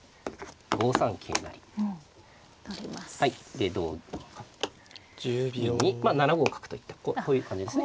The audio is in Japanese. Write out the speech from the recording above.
で同銀にまあ７五角といったこういう感じですね。